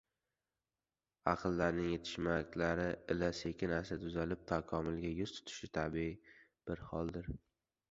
ahllarning yetishmaklari ila sekin-asta tuzalib, takomilga yuz tutishi tabiiy bir holdir.